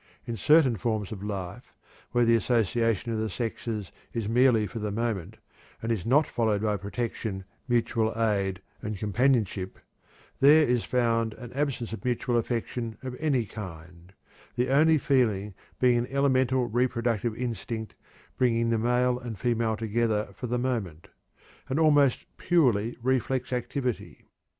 In certain forms of life where the association of the sexes is merely for the moment, and is not followed by protection, mutual aid, and companionship, there is found an absence of mutual affection of any kind, the only feeling being an elemental reproductive instinct bringing the male and female together for the moment an almost purely reflex activity.